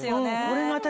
これが私